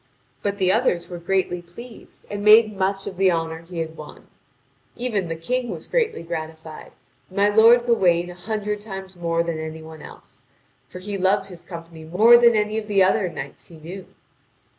But the others were greatly pleased, and made much of the honour he had won. Even the King was greatly gratified, and my lord Gawain a hundred times more than any one else. For he loved his company more than that of any other knight he knew.